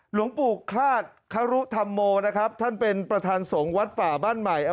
หลวงปู่คลาดครุธรรมโมนะครับท่านเป็นประธานสงฆ์วัดป่าบ้านใหม่